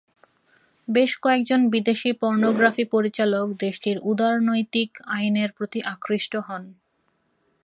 বেশ কয়েকজন বিদেশী পর্নোগ্রাফি পরিচালক দেশটির উদারনৈতিক আইনের প্রতি আকৃষ্ট হন।